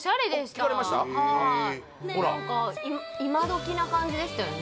何かいまどきな感じでしたよね